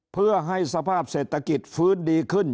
เพื่อให้สภาพเศรษฐกิจฟื้นดีขึ้น